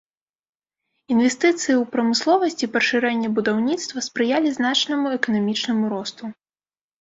Інвестыцыі ў прамысловасць і пашырэнне будаўніцтва спрыялі значнаму эканамічнаму росту.